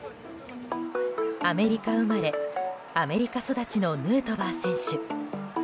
アメリカ生まれアメリカ育ちのヌートバー選手。